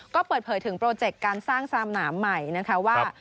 ก็เปิดเผยถึงโปรเจคการสร้างซามหนามใหม่นะคะว่า